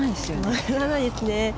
曲がらないですね。